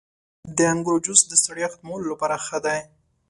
• د انګورو جوس د ستړیا ختمولو لپاره ښه دی.